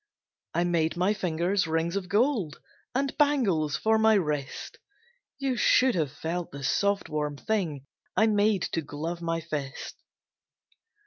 I made my fingers rings of gold, And bangles for my wrist; You should have felt the soft, warm thing I made to glove my fist.